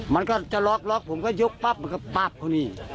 มันก็จะล็อกล็อกผมก็ยกปั๊บมันก็ปั๊บเขานี่